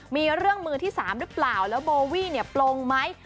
มีเรื่องมือที่๓หรือเปล่าแล้วโบวี่เนี่ยปลงไหม